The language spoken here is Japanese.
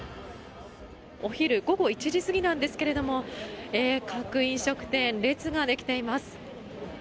お昼午後１時過ぎなんですが各飲食店、列ができています。